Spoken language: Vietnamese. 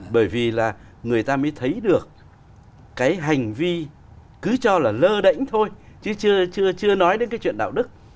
bởi vì là người ta mới thấy được cái hành vi cứ cho là lơ đẩy thôi chứ chưa nói đến cái chuyện đạo đức